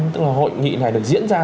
tức là hội nghị này được diễn ra